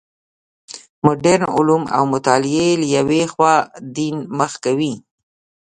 مډرن علوم او مطالعې له یوې خوا دین مخ کوي.